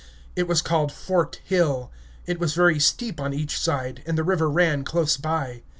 It was called Fort Hill. It was very steep on each side, and the river ran close by.